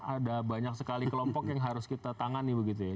ada banyak sekali kelompok yang harus kita tangani begitu ya